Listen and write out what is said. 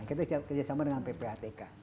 kita kerjasama dengan ppatk